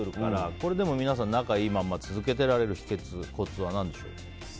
これ、でも皆さん仲がいいまま続けられるコツは何でしょう。